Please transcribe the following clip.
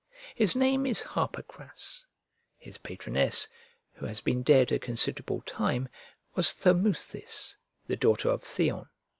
His name is Harpocras; his patroness (who has been dead a considerable time) was Thermuthis, the daughter of Theon.